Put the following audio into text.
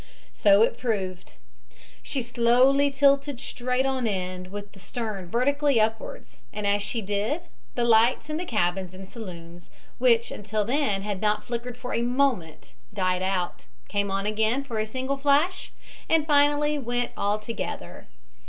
So it proved She slowly tilted straight on end with the stern vertically upwards, and as she did, the lights in the cabins and saloons, which until then had not flickered for a moment, died out, came on again for a single flash, and finally went altogether.